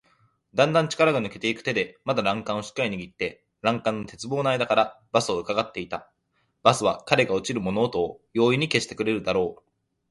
だんだん力が抜けていく手でまだ欄干をしっかりにぎって、欄干の鉄棒のあいだからバスをうかがっていた。バスは彼が落ちる物音を容易に消してくれるだろう。